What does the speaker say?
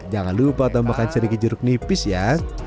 jangan lupa tambahkan sedikit jeruk nipis ya